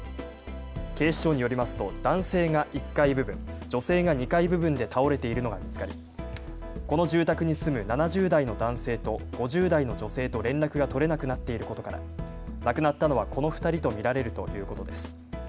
警視庁によりますと男性が１階部分、女性が２階部分で倒れているのが見つかり、この住宅に住む７０代の男性と５０代の女性と連絡が取れなくなっていることから亡くなったのはこの２人と見られるということです。